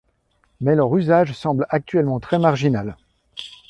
Mais leur usage semble actuellement très marginal.